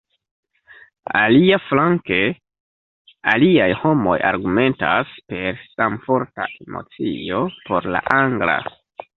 Aliaflanke, aliaj homoj argumentas, per samforta emocio, por la angla.